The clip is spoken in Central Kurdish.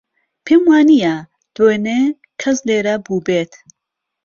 پێم وانییە دوێنێ کەس لێرە بووبێت.